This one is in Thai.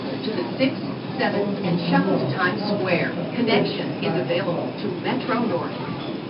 ทรงผมของหล่อนเข้ากันกับเครื่องแต่งกายของหล่อน